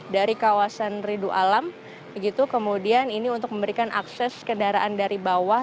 dari kawasan ridu alam kemudian ini untuk memberikan akses kendaraan dari bawah